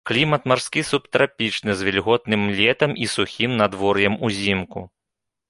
Клімат марскі субтрапічны з вільготным летам і сухім надвор'ем узімку.